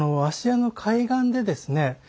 芦屋の海岸でですね